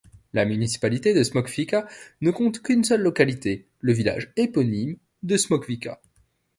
La municipalité de Smokvica ne compte qu'une seule localité, le village éponyme de Smokvica.